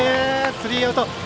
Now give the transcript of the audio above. スリーアウト。